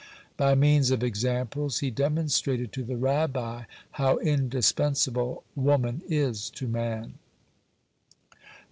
By means of examples he demonstrated to the Rabbi how indispensable woman is to man.